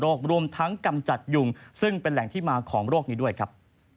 รวมทั้งกำจัดยุงซึ่งเป็นแหล่งที่มาของโรคนี้ด้วยครับ